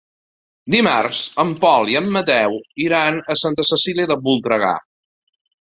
Dimarts en Pol i en Mateu iran a Santa Cecília de Voltregà.